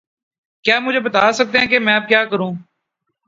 کیا آپ مجھے بتا سکتے ہے کہ میں اب کیا کروں؟